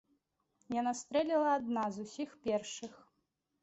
Яна стрэліла адна з усіх першых.